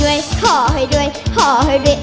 น้องไมโครโฟนจากทีมมังกรจิ๋วเจ้าพญา